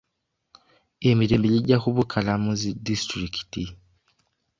Emirembi gijja kubukala mu zi disitulikiti.